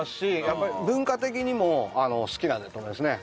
やっぱり文化的にも好きなんだと思いますね。